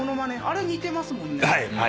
あれ似てますもんね。